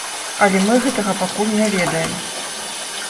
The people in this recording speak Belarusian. Але мы гэтага пакуль не ведаем.